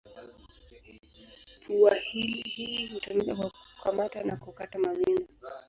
Pua hii hutumika kwa kukamata na kukata mawindo.